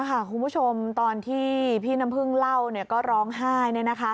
นี่แหละค่ะคุณผู้ชมตอนที่พี่น้ำพึ่งเล่าก็ร้องไห้